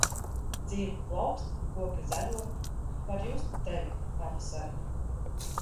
Dzīve plaukst un koki zaļo, var just Tevi, pavasari.